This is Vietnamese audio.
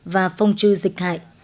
và phong trư dịch hại